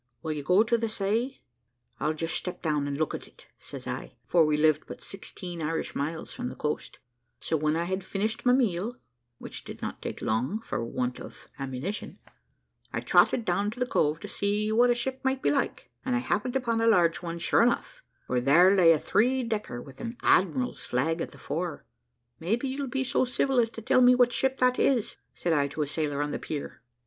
Will you go to the say?' `I'll just step down and look at it,' says I, for we lived but sixteen Irish miles from the coast; so when I had finished my meal, which did not take long, for want of ammunition, I trotted down to the Cove to see what a ship might be like, and I happened upon a large one sure enough, for there lay a three decker with an admiral's flag at the fore. `Maybe you'll be so civil as to tell me what ship that is,' said I to a sailor on the pier.